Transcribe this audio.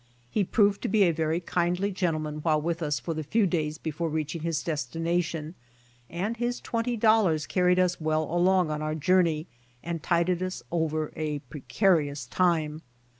He proved to be a very kindly gentleman while with us for the few days before reaching his destination, and his twenty dollars carried us well along on our journey and tided us over a precarious time.